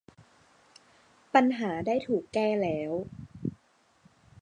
ปัญหาได้ถูกแก้แล้ว